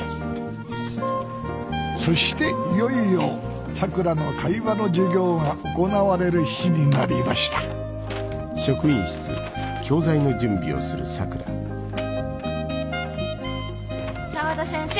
そしていよいよさくらの会話の授業が行われる日になりました沢田先生